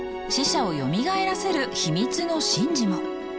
死者をよみがえらせる秘密の神事も。